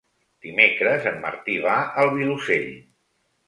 Dimecres en Martí va al Vilosell.